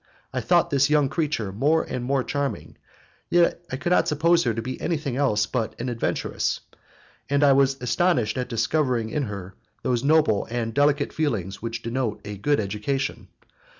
I thought this young creature more and more charming, yet I could not suppose her to be anything else but an adventuress, and I was astonished at discovering in her those noble and delicate feelings which denote a good education.